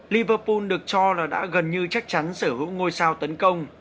liverpool được cho là đã gần như chắc chắn sở hữu ngôi sao tấn công